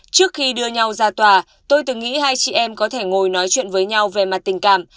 trước khi đưa nhau ra tòa tôi từng nghĩ hai chị em có thể ngồi nói chuyện với nhau về mặt tình cảm